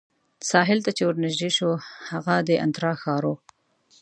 ساحل ته چې ورنژدې شوو، هغه د انترا ښار وو.